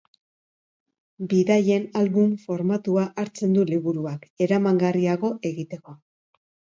Bidaien album formatua hartzen du liburuak, eramangarriago egiteko.